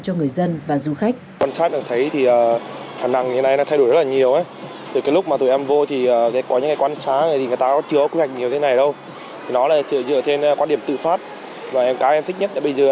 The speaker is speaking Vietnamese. cho người dân và du khách